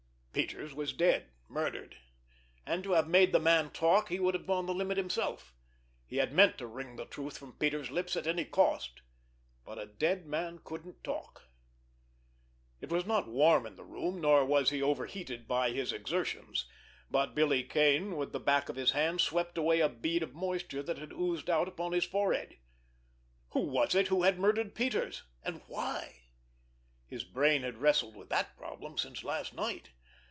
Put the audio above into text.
Peters was dead, murdered—and to have made the man talk he would have gone the limit himself. He had meant to wring the truth from Peters' lips at any cost. But a dead man couldn't talk! It was not warm in the room, nor was he overheated by his exertions, but Billy Kane, with the back of his hand, swept away a bead of moisture that had oozed out upon his forehead. Who was it who had murdered Peters? And why? His brain had wrestled with that problem since last night.